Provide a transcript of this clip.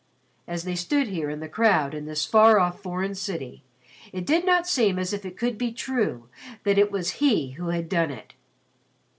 As they stood here in the crowd in this far off foreign city, it did not seem as if it could be true that it was he who had done it.